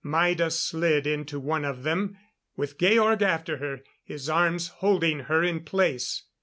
Maida slid into one of them, with Georg after her, his arms holding her in place.